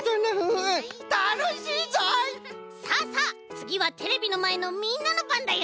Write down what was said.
つぎはテレビのまえのみんなのばんだよ。